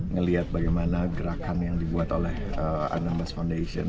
ngelihat bagaimana gerakan yang dibuat oleh anambas foundation